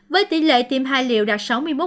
với tỷ lệ tiêm hai liệu đạt sáu mươi một